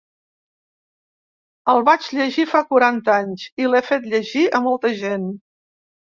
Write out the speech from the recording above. El vaig llegir fa quaranta anys i l’he fet llegir a molta gent.